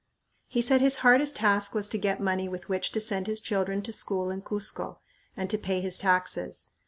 He said his hardest task was to get money with which to send his children to school in Cuzco and to pay his taxes.